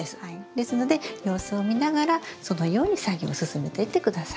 ですので様子を見ながらそのように作業を進めていって下さい。